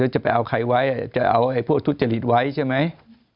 จะไปเอาใครไว้จะเอาไอ้พวกทุจริตไว้ใช่ไหม